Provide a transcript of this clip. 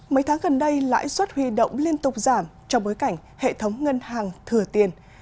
mấy tháng gần đây lãi suất huy động liên tục giảm trong bối cảnh hệ thống ngân hàng thừa tiền